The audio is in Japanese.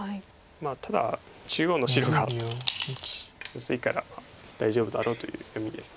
ただ中央の白が薄いから大丈夫だろうという読みです。